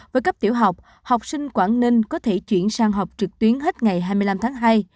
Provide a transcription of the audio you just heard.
với cấp tiểu học học sinh quảng ninh có thể chuyển sang học trực tuyến hết ngày hai mươi năm tháng hai